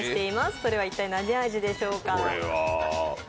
それは一体、何味でしょうか。